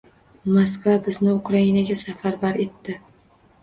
Moskva bizni Ukrainaga safarbar etdi.